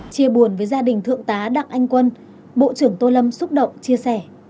chia buồn với gia đình thượng tá đặng anh quân bộ trưởng tô lâm xúc động chia sẻ